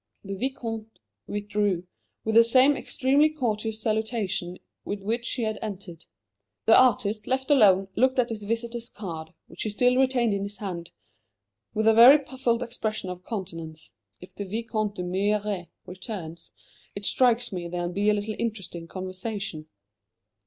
The Vicomte withdrew, with the same extremely courteous salutation with which he had entered. The artist, left alone, looked at his visitor's card, which he still retained in his hand, with a very puzzled expression of countenance. "If the Vicomte d'Humières returns, it strikes me there'll be a little interesting conversation."